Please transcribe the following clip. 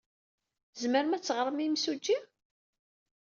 Tzemrem ad d-teɣrem i yemsujji?